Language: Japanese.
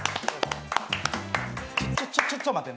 ちょっちょっと待って。